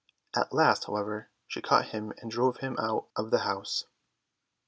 At last, however, she caught him and drove him out of the house.